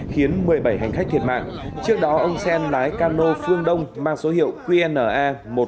khiến một mươi bảy hành khách thiệt mạng trước đó ông sen lái cano phương đông mang số hiệu qna một nghìn một trăm năm mươi hai